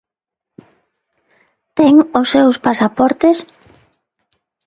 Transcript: Ten os seus pasaportes?